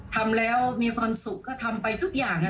ทำแล้วมีความสุขก็ทำไปทุกอย่าง